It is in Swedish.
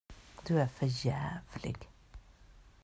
Du är för jävlig.